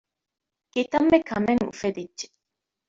ކިތަންމެ ކަމެއް އުފެދިއްޖެ